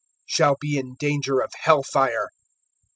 shall be in danger of hell fire.